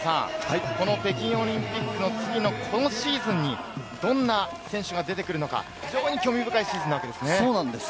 つまり、この北京オリンピックの次の今シーズンに、どんな選手が出てくるのか、非常に興味深いシーズンなわけですね。